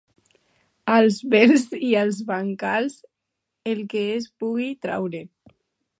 Als vells i als bancals, el que es pugui traure.